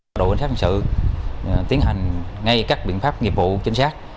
đội cảnh sát hình sự tiến hành ngay các biện pháp nghiệp vụ chính xác